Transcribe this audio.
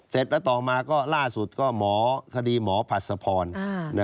เสร็จแล้วต่อมาก็ล่าสุดก็คดีหมอผัดสะพรนะครับ